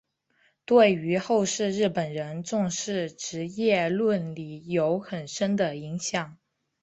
对于后世日本人重视职业伦理有很深的影响。